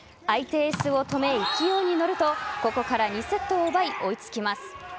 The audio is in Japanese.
相手エースを止め勢いに乗るとここから２セットを奪い追いつきます。